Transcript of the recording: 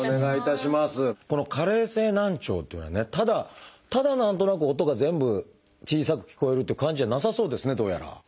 この加齢性難聴っていうのはねただただ何となく音が全部小さく聞こえるっていう感じじゃなさそうですねどうやら。